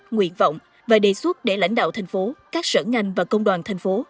nguyện vọng và đề xuất để lãnh đạo thành phố các sở ngành và công đoàn thành phố